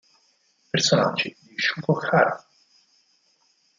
Personaggi di Shugo Chara!